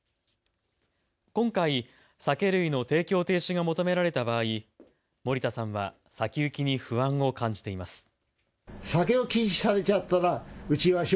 今回、酒類の提供停止を求められた場合、森田さんは先行きに不安を感じています。